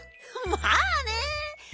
まあね。